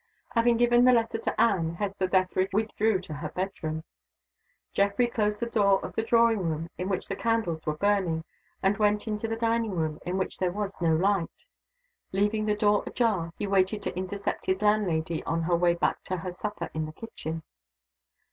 Having given the letter to Anne, Hester Dethridge withdrew to her bedroom. Geoffrey closed the door of the drawing room, in which the candles were burning, and went into the dining room, in which there was no light. Leaving the door ajar, he waited to intercept his landlady on her way back to her supper in the kitchen.